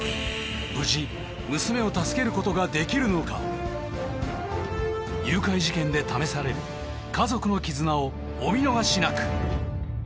無事娘を助けることができるのか誘拐事件で試される家族の絆をお見逃しなく！